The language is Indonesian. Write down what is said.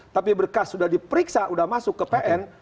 tapi berkas sudah diperiksa sudah masuk ke pn